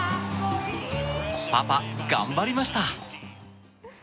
パパ、頑張りました。